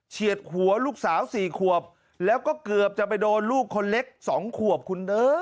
หัวลูกสาว๔ขวบแล้วก็เกือบจะไปโดนลูกคนเล็ก๒ขวบคุณ